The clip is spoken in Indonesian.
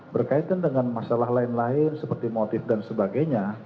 berkaitan dengan masalah lain lain seperti motif dan sebagainya